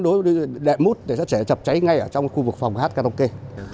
đối với đệm mút để chạy chập cháy ngay ở trong khu vực phòng hát karaoke